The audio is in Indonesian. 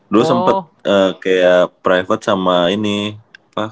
dulu sempet kayak private sama coach heru